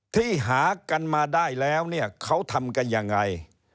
ที่หากันมาได้แล้วเนี่ยเขาทำกันยังไง